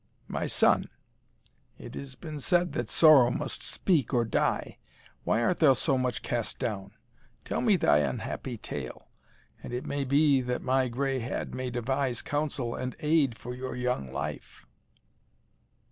"My son, it has been said that sorrow must speak or die Why art thou so much cast down? Tell me thy unhappy tale, and it may be that my gray head may devise counsel and aid for your young life."